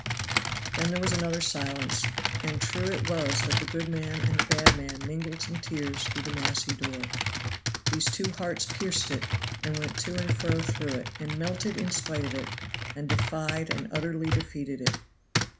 Then there was another silence, and true it was that the good man and the bad man mingled some tears through the massy door. These two hearts pierced it, and went to and fro through it, and melted in spite of it, and defied and utterly defeated it.